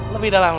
lebih dalam lagi